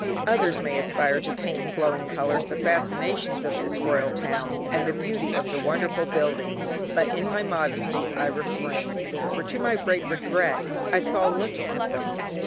Others may aspire to paint in glowing colours the fascinations of this royal town, and the beauty of the wonderful buildings; but in my modesty I refrain, for to my great regret I saw little of them.